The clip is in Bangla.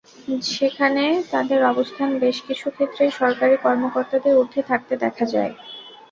সেখানে তাঁদের অবস্থান বেশ কিছু ক্ষেত্রেই সরকারি কর্মকর্তাদের ঊর্ধ্বে থাকতে দেখা যায়।